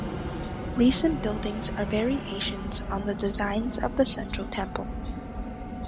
Recent buildings are variations on the designs of the Central Temple.